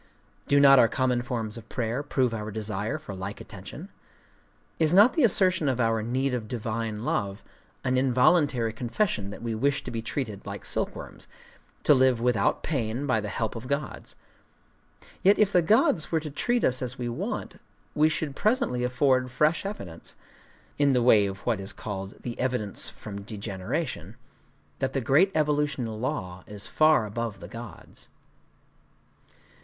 Do not our common forms of prayer prove our desire for like attention? Is not the assertion of our "need of divine love" an involuntary confession that we wish to be treated like silkworms,—to live without pain by the help of gods? Yet if the gods were to treat us as we want, we should presently afford fresh evidence,—in the way of what is called "the evidence from degeneration,"—that the great evolutional law is far above the gods.